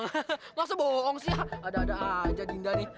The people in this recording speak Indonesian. nggak usah bohong sih ada ada aja dinda nih